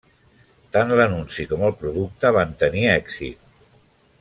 Tant l'anunci com el producte van tenir èxit.